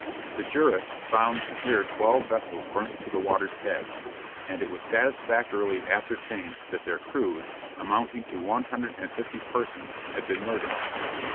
The Jearus found here twelve vessels burnt to the water's edge, and it was satisfactorily ascertained that their crews, amounting to one hundred and fifty persons had been murdered.